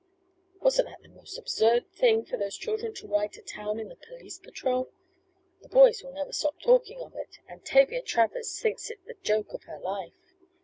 Wasn't that the most absurd thing for those children to ride to town in the police patrol? The boys will never stop talking of it. And Tavia Travers thinks it the joke of her life.